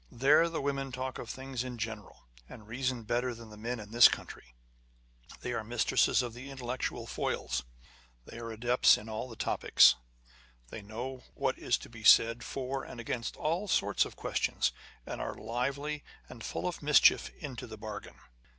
There the women talk of things in general, and reason better than the men in this country. They are mistresses of the intellectual foils. They are adepts in all the topics. They know what is to be said for and against all sorts of questions, and are lively and full of mischief into the bargain.